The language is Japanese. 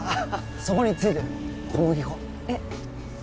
そこについてる小麦粉えッ？